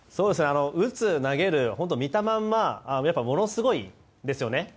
打つ、投げる見たまんまものすごいですよね。